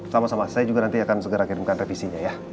sama sama saya juga nanti akan segera kirimkan revisinya ya